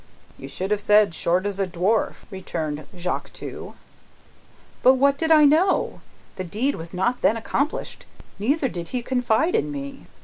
'" "You should have said, short as a dwarf," returned Jacques Two. "But what did I know? The deed was not then accomplished, neither did he confide in me.